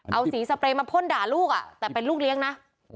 เอาสีสเปรย์มาพ่นด่าลูกแต่เป็นลูกเลี้ยงนะ